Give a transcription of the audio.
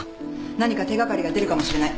何か手掛かりが出るかもしれない。